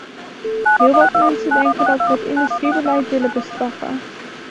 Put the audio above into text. Heel wat mensen denken dat we het industriebeleid willen bestraffen.